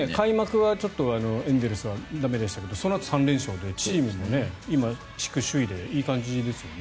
開幕はエンゼルスは駄目でしたがそのあと３連勝でチームも今、地区首位でいい感じですよね。